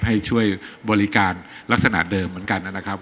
ให้ช่วยบริการลักษณะเดิมเหมือนกันนะครับ